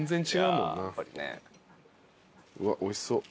うわっおいしそう。